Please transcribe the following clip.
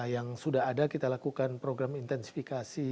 yang sudah ada kita lakukan program intensifikasi